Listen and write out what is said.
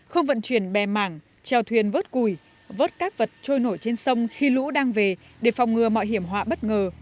không vận chuyển bè mảng treo thuyền vớt cùi bớt các vật trôi nổi trên sông khi lũ đang về để phòng ngừa mọi hiểm họa bất ngờ